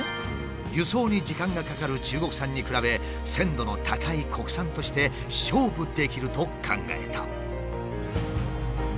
輸送に時間がかかる中国産に比べ鮮度の高い国産として勝負できると考えた。